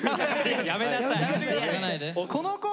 やめなさい！